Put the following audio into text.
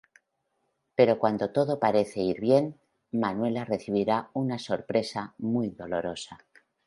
Pero cuando todo parece ir bien, Manuela recibirán una sorpresa muy dolorosa.